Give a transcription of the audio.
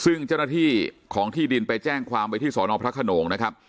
ซึ่งเจ้าหน้าที่ของที่ดินไปแจ้งความไว้ที่สอนอพระขนงนะครับ